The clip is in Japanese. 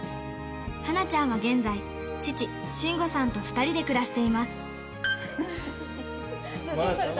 はなちゃんは現在、父、信吾さんと２人で暮らしています。